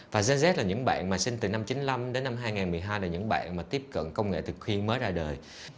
và gen z là những bạn mà sinh từ năm chín mươi năm đến năm hai nghìn một mươi hai là những bạn mà tiếp cận công nghệ từ khuyên mới ra đời